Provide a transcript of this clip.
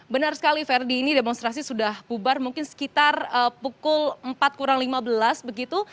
benar sekali ferdi ini demonstrasi sudah bubar mungkin sekitar pukul empat kurang lima belas begitu